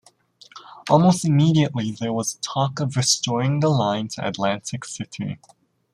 Almost immediately, there was talk of restoring the line to Atlantic City.